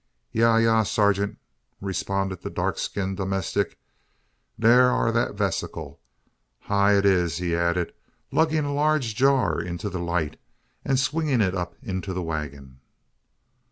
"Yaw yaw, sagint," responded the dark skinned domestic; "dar am dat same wesicle. Hya it is!" he added, lugging a large jar into the light, and swinging it up into the waggon.